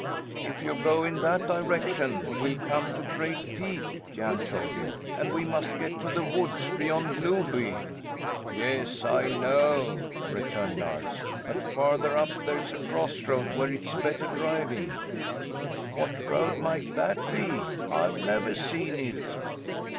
"If you go in that direction, we'll come to Great Peak," Jan told him; "and we must get to the woods beyond Loby." "Yes, I know," returned Lars, "but farther up there's a crossroad where it's better driving." "What road might that be? I've never seen it."